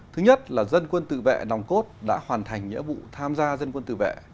thứ nhất là dân quân tự vệ nòng cốt đã hoàn thành nhiệm vụ tham gia dân quân tự vệ